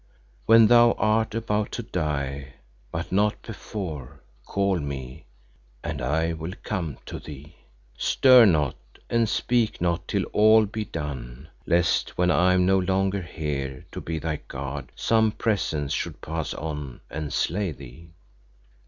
When thou art about to die, but not before, call me, and I will come to thee. Stir not and speak not till all be done, lest when I am no longer here to be thy guard some Presence should pass on and slay thee.